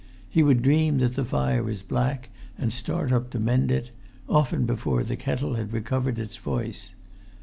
He would dream that the fire was black, and start up to mend it—often before the kettle had recovered its voice.